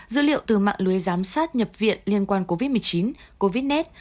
dữ liệu từ mạng lưới giám sát nhập viện liên quan covid một mươi chín covid